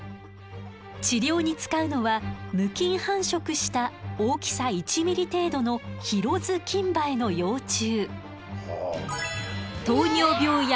治療に使うのは無菌繁殖した大きさ１ｍｍ程度のヒロズキンバエの幼虫。